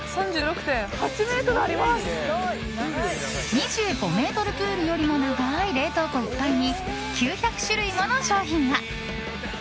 ２５ｍプールよりも長い冷凍庫いっぱいに９００種類もの商品が。